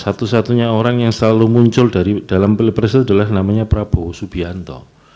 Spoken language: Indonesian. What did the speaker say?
satu satunya orang yang selalu muncul dalam pilpres itu adalah namanya prabowo subianto